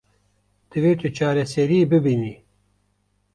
Divê tu çareseriyê bibînî.